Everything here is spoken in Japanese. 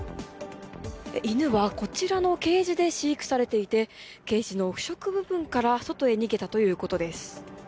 犬はこちらのケージで飼育されていてケージの腐食部分から外へ逃げたということです。